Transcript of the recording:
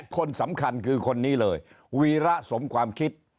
คนสำคัญคือคนนี้เลยวีระสมความคิด